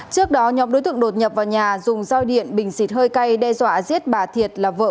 trước đó nhóm đối tượng đột nhập vào nhà dùng roi điện bình xịt hơi cay đe dọa giết bà thiệt là vợ